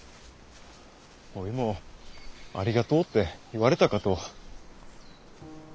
おいも「ありがとう」って言われたかと。